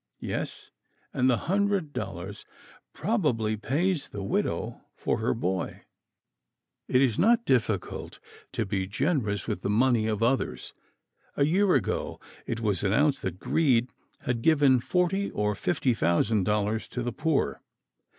Yes, and the hundred dollars probably pays the widow for her boy. It is not difficult to be generous with the money of others. A year ago it was announced that Greed had given forty or fifty thousand dollars to the poor.